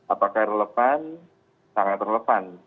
apakah relevan sangat relevan